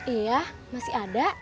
iya masih ada